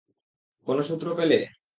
কোনো সূত্র পেলে?